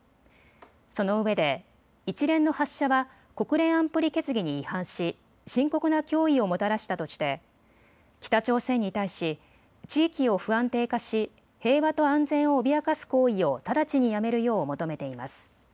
そのうえで一連の発射は国連安保理決議に違反し深刻な脅威をもたらしたとして北朝鮮に対し地域を不安定化し平和と安全を脅かす行為を直ちにやめるよう求めています。